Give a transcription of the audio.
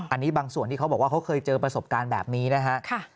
อันนี้บางส่วนที่เขาบอกว่าเขาเคยเจอประสบการณ์แบบนี้นะฮะ